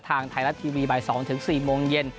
ทางไทยรัฐทีวีบ่ายสองถึงสี่โมงเย็น